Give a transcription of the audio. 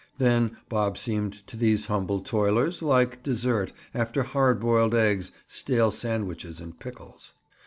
Then Bob seemed to these humble toilers, like dessert, after hard boiled eggs, stale sandwiches and pickles.